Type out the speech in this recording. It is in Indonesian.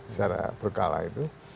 secara berkala itu